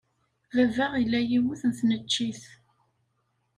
Baba ila yiwet n tneččit.